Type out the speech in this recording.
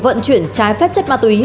vận chuyển trái phép chất ma túy